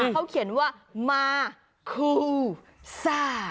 เขาเขียนว่ามาคูซ่า